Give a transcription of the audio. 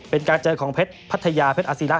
เป็นการเจอของเพชรพัทยาเพชรอศิระ